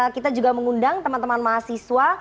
kita juga mengundang teman teman mahasiswa